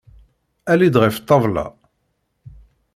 Ali-d ɣef ṭṭabla!